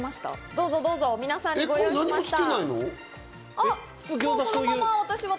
どうぞどうぞ、皆さんにご用意しました。